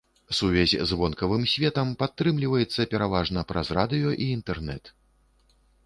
Сувязь з вонкавым светам падтрымліваецца пераважна праз радыё і інтэрнэт.